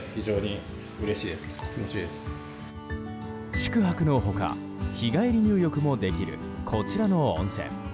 宿泊の他、日帰り入浴もできるこちらの温泉。